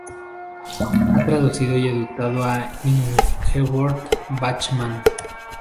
Ha traducido y editado a Ingeborg Bachmann.